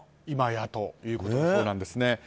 今や、というところなんです。